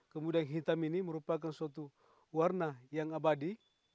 kemudian hitam ini merupakan suatu warna yang abadi